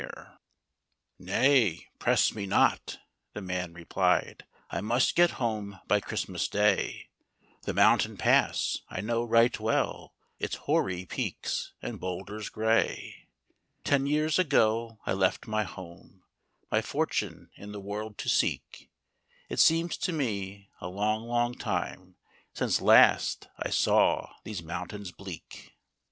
HECTOR , THE DOG. " Nay, press me not," the man replied; " I must get home by Christmas day, The mountain pass I know right well, Its hoary peaks and bould ers gray. Ten years ago I left my home My fortune in the world to ' seek ; It seems to me a long, long time Since last I saw these moun tains bleak. 227 HECTOR , THE DOG .